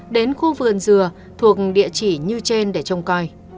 đến khu vườn dừa thuộc địa chỉ như trên để trông coi